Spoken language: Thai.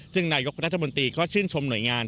ซึ่งนายกรัฐมนตรีก็ชื่นชมหน่วยงาน